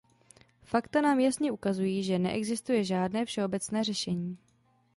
Fakta nám jasně ukazují, že neexistuje žádné všeobecné řešení.